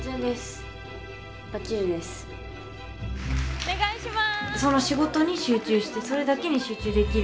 お願いします。